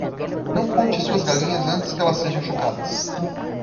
Não conte suas galinhas antes que elas sejam chocadas.